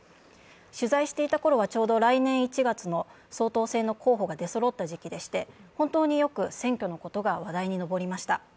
取材していたころはちょうど来年１月の総統選の候補が出そろった時期でして、本当によく選挙のことが話題に上りました。